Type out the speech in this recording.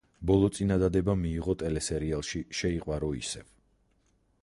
ბოლო წინადადება მიიღო ტელესერიალში „შეიყვარო ისევ“.